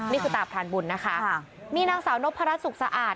นี่คือตาพรานบุญนะคะมีนางสาวนพรัชสุขสะอาด